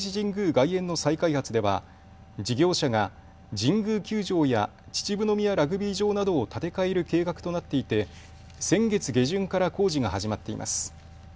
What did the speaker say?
外苑の再開発では事業者が神宮球場や秩父宮ラグビー場などを建て替える計画となっていて先月下旬から工事が始まっています。